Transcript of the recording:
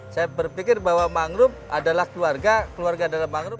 saya berpikir bahwa mangrove adalah keluarga keluarga adalah mangrove